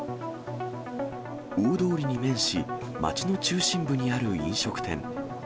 大通りに面し、町の中心部にある飲食店。